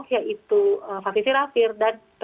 yaitu vapidirapir dan